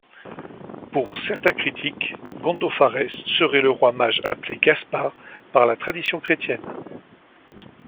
Pour certains critiques, Gondopharès serait le roi mage appelé Gaspard par la tradition chrétienne.